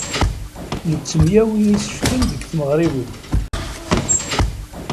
Nettemyawi isefken deg tmeɣriwin.